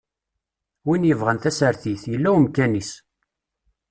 Win yebɣan tasertit, yella wemkan-is.